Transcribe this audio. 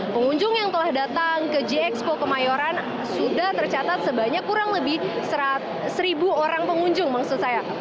pengunjung yang telah datang ke gxpo kemayoran sudah tercatat sebanyak kurang lebih seribu orang pengunjung maksud saya